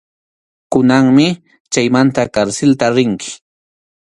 Kunanmi chaymanta karsilta rinki.